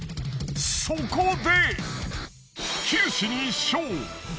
そこで。